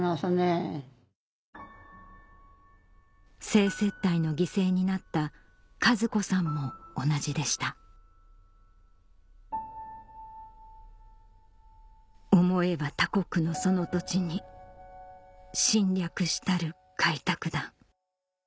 性接待の犠牲になった和子さんも同じでした「思えば他国のその土地に侵略したる開拓団。